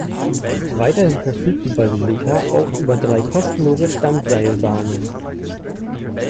Weiterhin verfügt die Basilika auch über drei kostenlose Standseilbahnen.